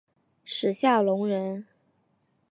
史夏隆人。